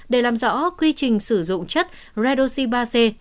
để làm rõ quy trình sử dụng chất redoxi ba c